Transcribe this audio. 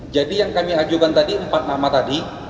jadi yang kami ajukan tadi empat nama tadi